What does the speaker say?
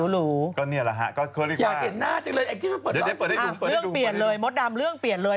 เรื่องเปลี่ยนเลยโมดดำเรื่องเปลี่ยนเลย